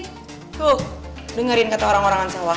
tuh dengerin kata orang orang ansawah